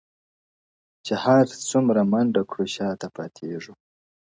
چي هر څومره منډه کړو شاته پاتیږو -